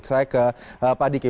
saya ke pak diki